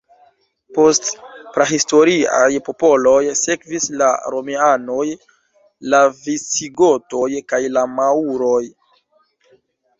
Post prahistoriaj popoloj sekvis la Romianoj, la Visigotoj kaj la Maŭroj.